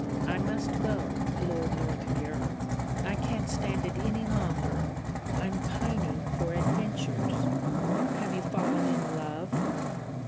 I must go, Lord Northmuir. I can't stand it any longer. I'm pining for adventures." "Have you fallen in love?"